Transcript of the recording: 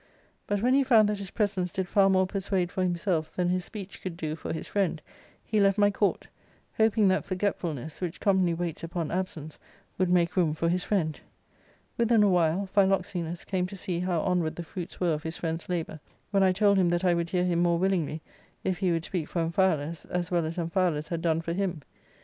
But when he found that his presence did far more persuade for himself than his speech could do for his friend, he left my court; hoping that forgetfulness, which commonly waits upon absenoar wQuld make room for his friend. av^^Iu'itl p ^^^i'?p PV>n/\vAnii^j^mA to see how onward the fruits were of his friend's labour, when I told him that I would hear him more willingly if he would speak for Am phialus as well as Amphialus had done for him.